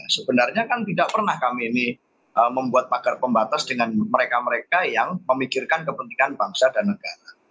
sebenarnya kan tidak pernah kami ini membuat pagar pembatas dengan mereka mereka yang memikirkan kepentingan bangsa dan negara